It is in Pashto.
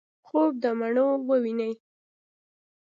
خوب دمڼو وویني